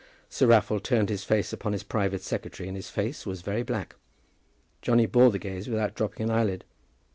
Sir Raffle turned his face upon his private secretary, and his face was very black. Johnny bore the gaze without dropping an eyelid.